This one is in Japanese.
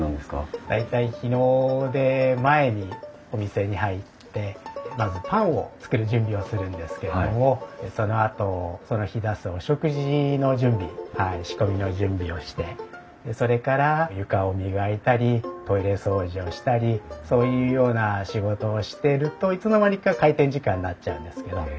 大体日の出前にお店に入ってまずパンを作る準備をするんですけれどもそのあとその日出すお食事の準備仕込みの準備をしてそれから床を磨いたりトイレ掃除をしたりそういうような仕事をしているといつの間にか開店時間になっちゃうんですけど。